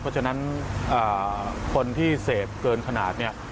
เพราะฉะนั้นคนที่เสพเกินขนาดเนี่ย